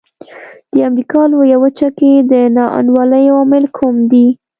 د امریکا لویه وچه کې د نا انډولۍ عوامل کوم دي.